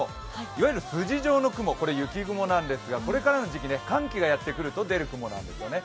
いわゆる筋状の雲、これ雪雲なんですがこれからの時期、寒気がやってくると出る雲なんですね。